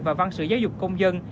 và văn sử giáo dục công dân